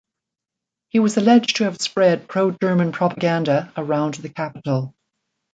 He was alleged to have spread pro-German propaganda around the capital.